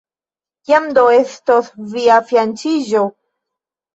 Kiam do estos via fianĉiĝo?